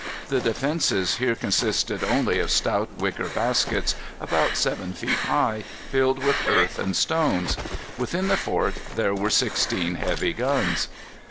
The defences here consisted only of stout wicker baskets, about seven feet high, filled with earth and stones. Within the fort there were sixteen heavy guns.